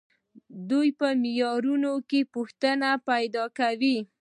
دوی په معیارونو کې پوښتنې پیدا کوي.